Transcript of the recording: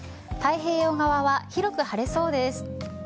太平洋側は広く晴れそうです。